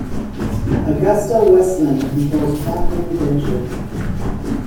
AgustaWestland controls half of the venture.